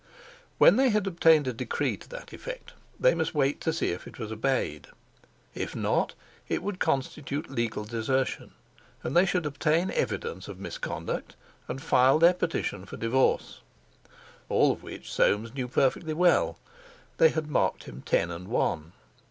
When they had obtained a decree to that effect they must wait to see if it was obeyed. If not, it would constitute legal desertion, and they should obtain evidence of misconduct and file their petition for divorce. All of which Soames knew perfectly well. They had marked him ten and one.